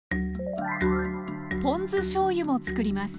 ポン酢しょうゆもつくります。